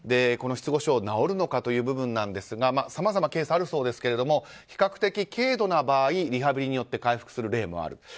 失語症、治るのかという部分ですがさまざまなケースがあるそうですけども比較的軽度な場合リハビリによって回復する例もある。